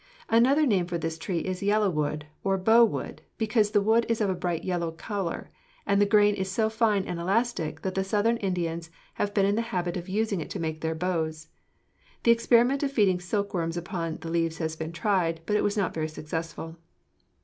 Another name for this tree is yellow wood, or bow wood, because the wood is of a bright yellow color, and the grain is so fine and elastic that the Southern Indians have been in the habit of using it to make their bows. The experiment of feeding silkworms upon the leaves has been tried, but it was not very successful."